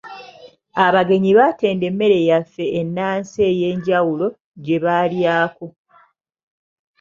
Abagenyi baatenda emmere yaffe enansi ey'enjawulo gye baalyako.